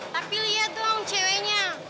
tapi liat doang ceweknya